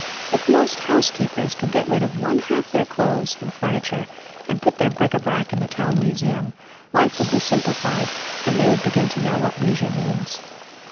If most housekeepers could get rid of one half their clothes and furniture and put their bric a brac in the town museum, life would be simplified and they would begin to know what leisure means.